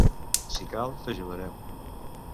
Si cal, t'ajudarem.